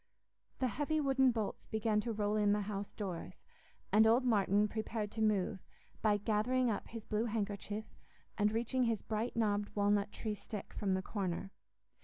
The heavy wooden bolts began to roll in the house doors, and old Martin prepared to move, by gathering up his blue handkerchief, and reaching his bright knobbed walnut tree stick from the corner.